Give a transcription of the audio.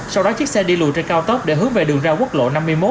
sau đó chiếc xe đi lùi trên cao tốc để hướng về đường ra quốc lộ năm mươi một